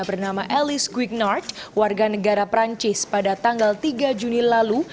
bernama elis gwignard warga negara perancis pada tanggal tiga juni lalu